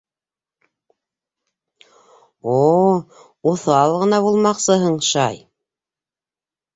-О, уҫал ғына булмаҡсыһың, шай.